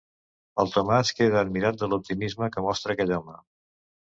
El Tomàs queda admirat de l'optimisme que mostra aquell home.